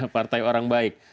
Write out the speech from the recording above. partai orang baik